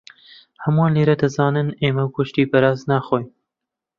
هەمووان لێرە دەزانن ئێمە گۆشتی بەراز ناخۆین.